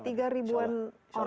tiga ribuan orang